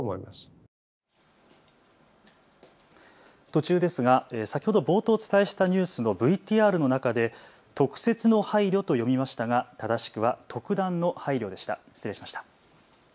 途中ですが、先ほど冒頭お伝えしたニュースのＶＴＲの中で特設の配慮と読みましたが正しくは特段の配慮でした。